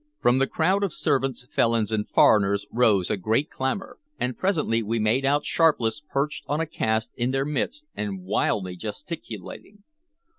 From the crowd of servants, felons, and foreigners rose a great clamor, and presently we made out Sharpless perched on a cask in their midst and wildly gesticulating.